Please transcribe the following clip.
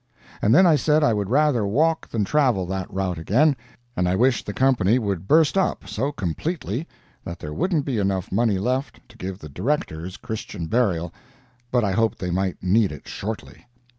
And then I said I would rather walk than travel that route again, and I wished the Company would burst up so completely that there wouldn't be money enough left to give the Directors Christian burial, but I hoped they might need it shortly.